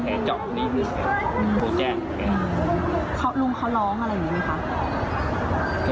แผลจอกหัวหนึ่งเลยพี่คะลุงเขาร้องอะไรอยุ่งไหมคะ